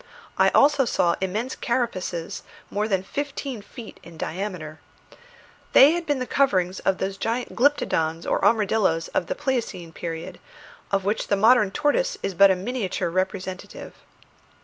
I also saw immense carapaces more than fifteen feet in diameter. They had been the coverings of those gigantic glyptodons or armadilloes of the pleiocene period, of which the modern tortoise is but a miniature representative.